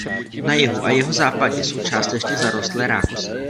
Na jihu a jihozápadě jsou částečně zarostlé rákosem.